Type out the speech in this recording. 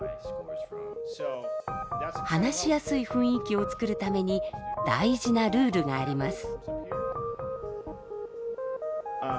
話しやすい雰囲気を作るために大事なルールがあります。